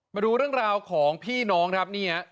มาดูเรื่องราวของพี่น้องครับนี่ฮะ